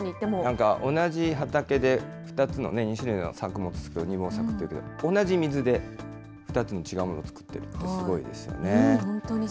なんか同じ畑で２つのね、２種類の作物を作る二毛作というけど、同じ水で２つの違うもの作ってるってすごいですよね。